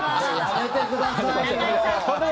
やめてくださいよ。